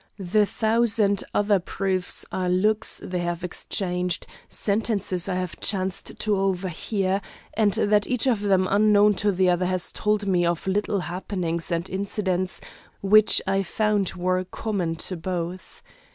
The thousand other proofs are looks they have exchanged, sentences I have chanced to overhear, and that each of them unknown to the other has told me of little happenings and incidents which I found were common to both.